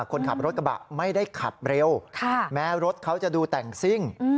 คนขับรถกระบะไม่ได้ขับเร็วแม้รถเขาจะดูแต่งซิ่ง